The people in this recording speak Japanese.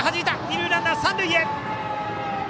二塁ランナー、三塁へ。